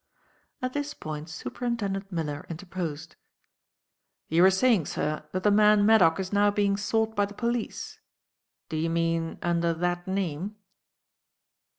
At this point Superintendent Miller interposed. "You were saying, sir, that the man Maddock is now being sought by the police. Do you mean under that name?"